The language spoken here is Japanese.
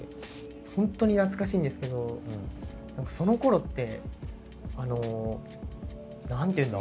ほんとに懐かしいんですけどそのころってあの何ていうんだ？